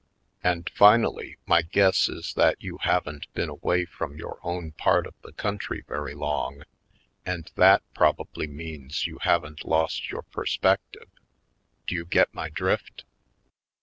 And finally, my guess is that you haven't been away from your own part of the coun try very long and that probably means you haven't lost your perspective. Do you get my drift?"